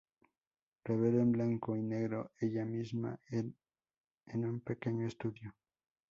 Revela en blanco y negro ella misma en un pequeño estudio.